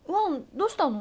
どうしたの？